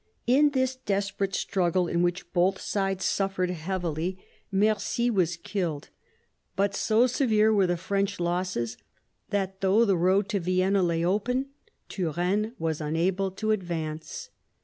In this desperate struggle, in which both sides suffered heavily, Mercy 14 MAZARIN CHAP. was killed ; but so* severe were the French losses that, though the road to Vienna lay open, Turenne was unable to advance.